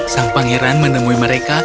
sang pangeran menemui mereka